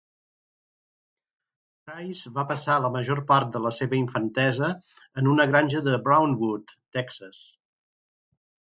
Price va passar la major part de la seva infantesa en una granja de Brownwood, Texas.